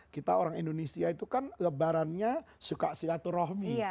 kita orang indonesia itu kan lebarannya suka silaturahmi